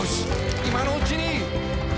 今のうちに」